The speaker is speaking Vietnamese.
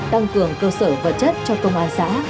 tăng cường cơ sở vật chất cho công an xã